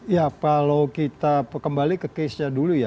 ya kalau kita kembali ke case nya dulu ya